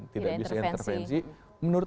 tidak bisa intervensi menurut